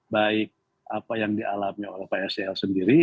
baik apa yang dialami oleh pak sel sendiri